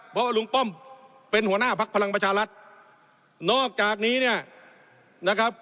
เพราะลุงป้อมเป็นหัวหน้าพักพลังประชารัฐนอกจากนี้เนี่ยนะครับ